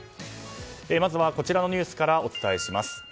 まずはこちらのニュースからお伝えします。